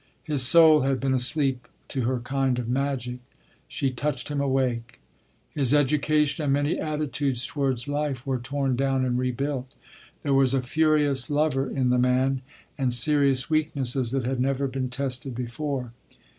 His soul had been asleep to her kind of magic. She touched him awake. His education and many attitudes towards life were torn down and rebuilt. There was a furious lover in the man, and serious weaknesses that had never been tested before.